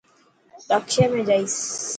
رڪشي ۾ جائس.